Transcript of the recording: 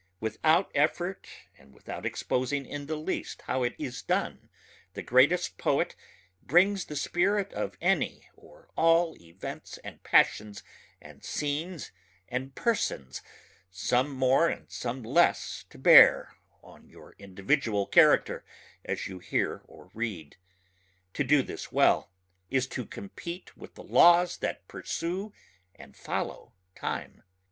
Without effort and without exposing in the least how it is done the greatest poet brings the spirit of any or all events and passions and scenes and persons some more and some less to bear on your individual character as you hear or read. To do this well is to compete with the laws that pursue and follow time.